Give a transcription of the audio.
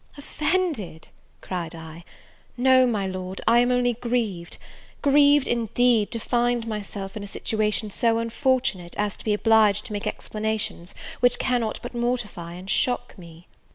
"Offended!" cried I, "no, my Lord, I am only grieved grieved, indeed! to find myself in a situation so unfortunate as to be obliged to make explanations, which cannot but mortify and shock me."